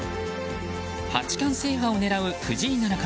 八冠制覇を狙う藤井七冠。